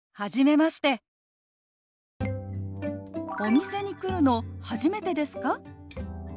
「お店に来るの初めてですか？」。